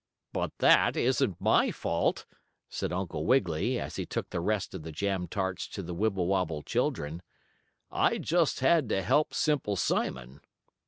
"But that isn't my fault," said Uncle Wiggily, as he took the rest of the jam tarts to the Wibblewobble children. "I just had to help Simple Simon."